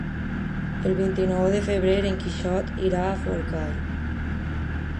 El vint-i-nou de febrer en Quixot irà a Forcall.